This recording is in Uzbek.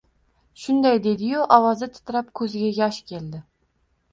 Shunday dedi-yu, ovozi titrab, koʼziga yosh keldi.